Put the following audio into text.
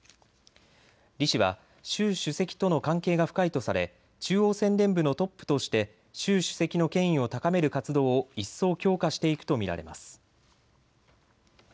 李氏は習主席との関係が深いとされ中央宣伝部のトップとして習主席の権威を高める活動を一層強化していくと見られます。